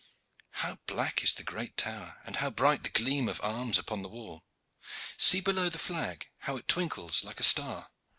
How black is the great tower, and how bright the gleam of arms upon the wall! See below the flag, how it twinkles like a star!"